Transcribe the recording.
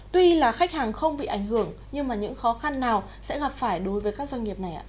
tuy là khách hàng không bị ảnh hưởng nhưng những khó khăn nào sẽ gặp phải đối với các doanh nghiệp này ạ